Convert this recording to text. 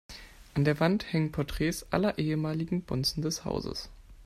An der Wand hängen Porträts aller ehemaligen Bonzen des Hauses.